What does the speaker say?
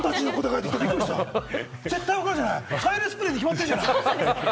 催涙スプレーに決まってるじゃない！